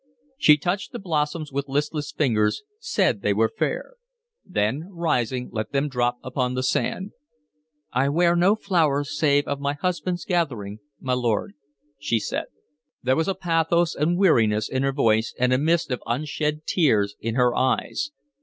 She touched the blossoms with listless fingers, said they were fair; then, rising, let them drop upon the sand. "I wear no flowers save of my husband's gathering, my lord," she said. There was a pathos and weariness in her voice, and a mist of unshed tears in her eyes.